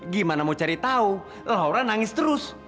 gimana mau cari tahu laura nangis terus